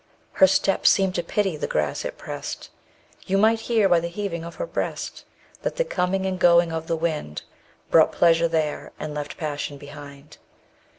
_20 Her step seemed to pity the grass it pressed; You might hear by the heaving of her breast, That the coming and going of the wind Brought pleasure there and left passion behind.